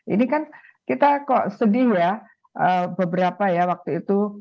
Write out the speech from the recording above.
ini kan kita kok sedih ya beberapa ya waktu itu